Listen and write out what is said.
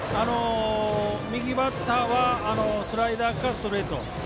右バッターはスライダーかストレート。